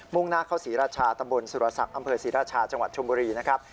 ่งหน้าเข้าศรีราชาตำบลสุรศักดิ์อำเภอศรีราชาจังหวัดชมบุรีนะครับ